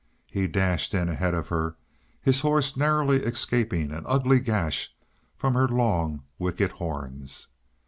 He dashed in ahead of her, his horse narrowly escaping an ugly gash from her long, wicked horns.